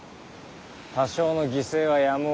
多少の犠牲はやむをえん。